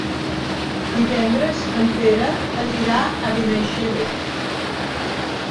Divendres en Pere anirà a Benaixeve.